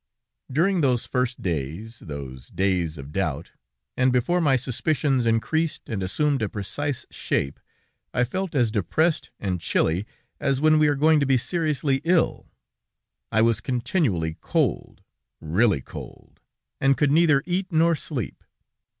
"During those first days, those days of doubt, and before my suspicions increased and assumed a precise shape, I felt as depressed and chilly as when we are going to be seriously ill. I was continually cold, really cold, and could neither eat nor sleep.